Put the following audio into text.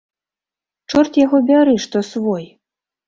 Чорт яго бяры, што свой.